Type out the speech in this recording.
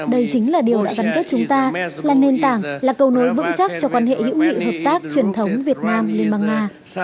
đây chính là điều gắn kết chúng ta là nền tảng là cầu nối vững chắc cho quan hệ hữu nghị hợp tác truyền thống việt nam liên bang nga